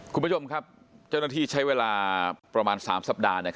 คุณผู้ชมครับเจ้าหน้าที่ใช้เวลาประมาณ๓สัปดาห์